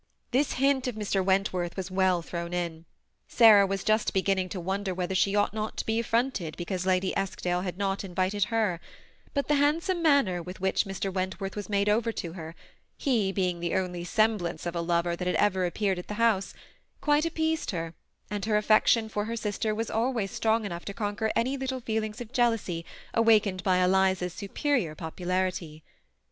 This hint of Mr. Wentworth's was well thrown in. Sarah was just beginning to wonder whether she ought not to be affronted because Lady Eskdale had not in* Tited her ; but the handsome manner with which Mr. Wentworth was made over to her — he being the onlj semblance of a loyer that had ever appeared at the house — quite appeased her, and her affection for her sister was always strong enough to conquer any little feelings of jealousy awakened by Eliza's superior pop* ularity.